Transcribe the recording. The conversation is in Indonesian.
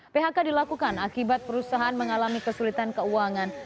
phk dilakukan akibat perusahaan mengalami kesulitan keuangan